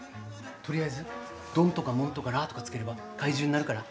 とりあえずドンとか、モンとかラとか付ければ怪獣になるから。